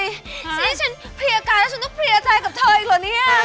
นี่ฉันเพลียการแล้วฉันต้องเพลียใจกับเธออีกเหรอเนี่ย